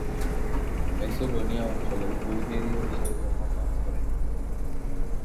Macedonia অঞ্চলের বুলগেরীয় হিসেবে জন্মগ্রহণ করেন তিনি।